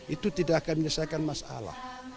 itu tidak akan menyelesaikan masalah